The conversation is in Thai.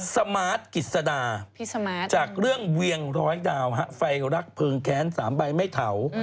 สมาร์ทกิจสดาร์จากเรื่องเวียงร้อยดาวไฟรักเพลิงแค้น๓ใบไม่เถา